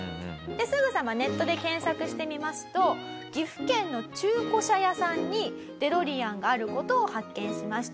すぐさまネットで検索してみますと岐阜県の中古車屋さんにデロリアンがある事を発見しました。